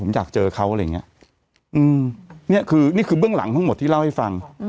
ผมอยากเจอเขาอะไรอย่างเงี้ยอืมนี่คือนี่คือเบื้องหลังทั้งหมดที่เล่าให้ฟัง